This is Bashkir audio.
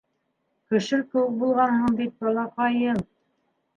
Көшөл кеүек булғанһың бит, балаҡайым!